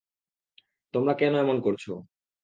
তোমরা কেন এমন করছ!